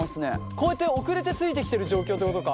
こうやって遅れてついてきてる状況ってことか。